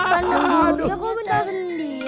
kandung burungnya kok bener sendiri